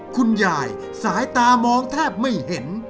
คุณยายสายตามองแทบไม่เห็น